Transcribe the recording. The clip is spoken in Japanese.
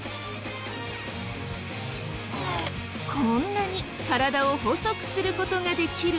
こんなに体を細くする事ができる。